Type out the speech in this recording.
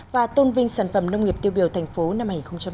và tôn vinh sản phẩm nông nghiệp tiêu biểu thành phố năm hai nghìn một mươi tám